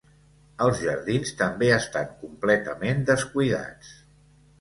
Els jardins també estan completament descuidats.